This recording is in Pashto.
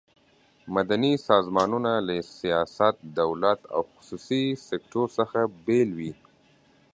مدني سازمانونه له سیاست، دولت او خصوصي سکټور څخه بیل وي.